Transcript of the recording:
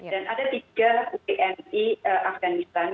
dan ada tiga wni afganistan yang menikah di jalan labat